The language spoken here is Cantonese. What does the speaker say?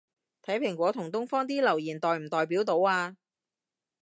睇蘋果同東方啲留言代唔代表到吖